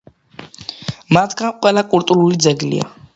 მათგან ყველა კულტურული ძეგლია.